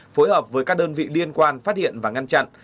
phối hợp với các đơn vị liên quan phát hiện và ngăn chặn